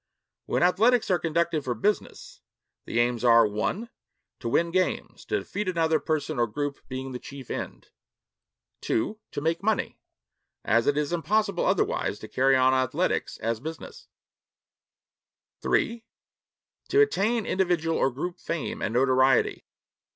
When athletics are conducted for business, the aims are (1) to win games to defeat another person or group being the chief end; (2) to make money as it is impossible otherwise to carry on athletics as business; (3) to attain individual or group fame and notoriety.